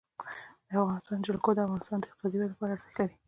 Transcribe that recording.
د افغانستان جلکو د افغانستان د اقتصادي ودې لپاره ارزښت لري.